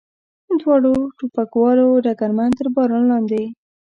دواړو ټوپکوالو ډګرمن تر باران لاندې.